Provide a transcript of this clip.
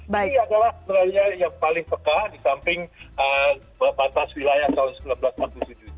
ini adalah sebenarnya yang paling peka di samping batas wilayah tahun seribu sembilan ratus empat puluh tujuh ini